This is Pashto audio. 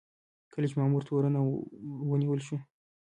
کله چې مامور تورن او ونیول شي.